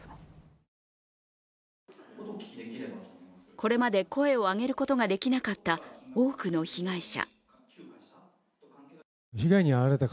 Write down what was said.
これまで声を上げることができなかった多くの被害者。